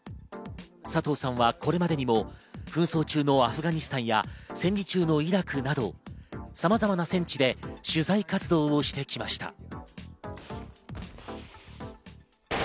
佐藤さんはこれまでにも紛争中のアフガニスタンや戦時中のイラクなどさまざまな戦地で取材活動をしてきました。